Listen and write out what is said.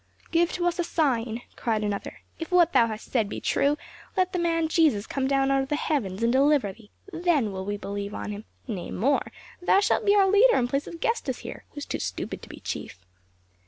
"Give to us a sign!" cried another. "If what thou hast said be true, let the man Jesus come down out of the heavens and deliver thee, then will we believe on him; nay, more, thou shalt be our leader in place of Gestas here who is too stupid to be chief."